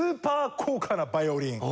高価なヴァイオリン。